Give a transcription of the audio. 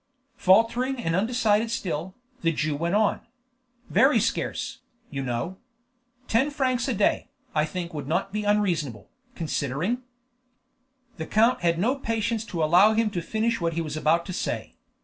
Faltering and undecided still, the Jew went on. "Very scarce, you know. Ten francs a day, I think, would not be unreasonable, considering " The count had no patience to allow him to finish what he was about to say.